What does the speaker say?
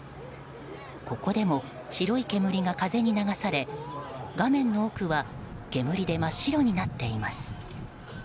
ここでも白い煙が風に流され画面の奥は煙で真っ白になっています。